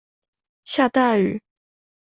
下大雨